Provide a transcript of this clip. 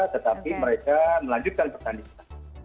tetapi mereka melanjutkan pertandingan